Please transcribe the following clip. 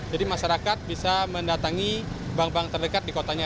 jadi masyarakat bisa mendatangi bank bank terdekat di kotanya